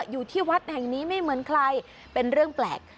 อยู่ที่วัดแห่งนี้ไม่เหมือนใครเป็นเรื่องแปลก